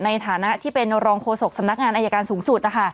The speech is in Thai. ในฐานะที่เป็นรองโฆษกสำนักงานอายการสูงสุด